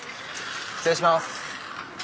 失礼します。